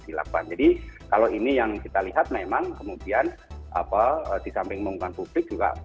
dilakukan jadi kalau ini yang kita lihat memang kemudian apa disamping mengungkang publik juga